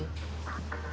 dia juga keras